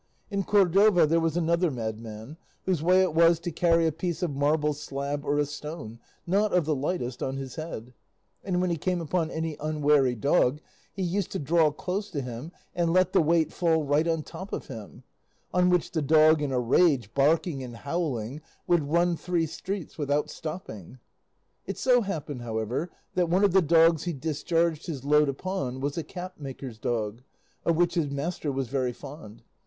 In Cordova there was another madman, whose way it was to carry a piece of marble slab or a stone, not of the lightest, on his head, and when he came upon any unwary dog he used to draw close to him and let the weight fall right on top of him; on which the dog in a rage, barking and howling, would run three streets without stopping. It so happened, however, that one of the dogs he discharged his load upon was a cap maker's dog, of which his master was very fond.